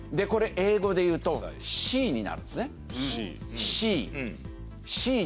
これ英語で言うとシーになるんですね。